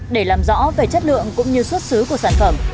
để làm rõ về chất lượng cũng như xuất xứ của sản phẩm